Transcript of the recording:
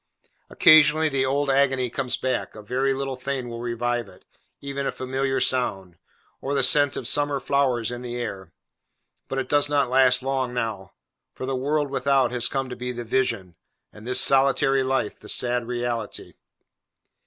Occasionally, the old agony comes back: a very little thing will revive it; even a familiar sound, or the scent of summer flowers in the air; but it does not last long, now: for the world without, has come to be the vision, and this solitary life, the sad reality.